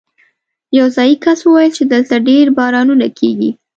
یو ځايي کس وویل چې دلته ډېر بارانونه کېږي.